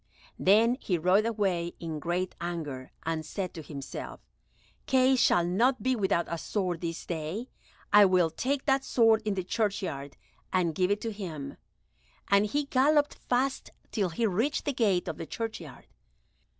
Then he rode away in great anger, and said to himself, "Kay shall not be without a sword this day. I will take that sword in the churchyard, and give it to him;" and he galloped fast till he reached the gate of the churchyard.